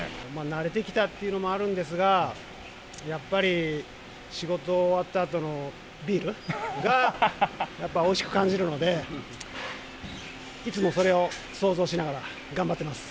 慣れてきたっていうのもあるんですが、やっぱり仕事終わったあとのビールが、やっぱおいしく感じるので、いつもそれを想像しながら、頑張ってます。